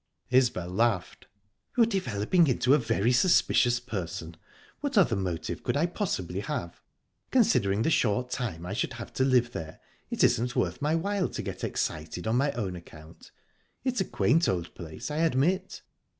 Isbel laughed. "You're developing into a very suspicious person. What other motive could I possibly have? Considering the short time I should have to live there, it isn't worth my while to get excited on my own account. It's a quaint old place, I admit."